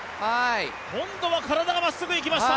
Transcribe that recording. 今度は体がまっすぐいきました。